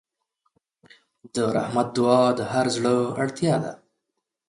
د رحمت دعا د هر زړه اړتیا ده.